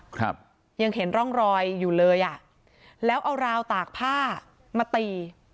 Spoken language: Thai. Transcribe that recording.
ครับยังเห็นร่องรอยอยู่เลยอ่ะแล้วเอาราวตากผ้ามาตี